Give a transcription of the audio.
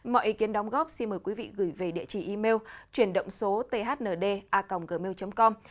mọi ý kiến đóng góp xin mời quý vị gửi về địa chỉ email chuyển động số thnda gmail com